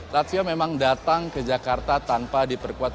latvia memang datang ke jakarta tanpa dipengaruhi